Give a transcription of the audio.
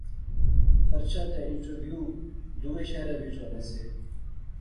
پرچہ تے انٹرویو دووے شہرے وچ ہونے سے